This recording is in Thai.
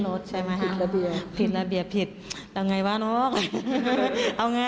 น้องมันนี่มันขึ้นรถลงกลาง